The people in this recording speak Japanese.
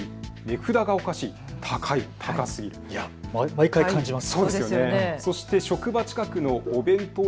毎回感じます。